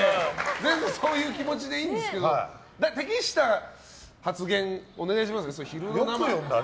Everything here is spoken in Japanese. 全然そういう気持ちでいいんですけど適した発言をお願いしますね。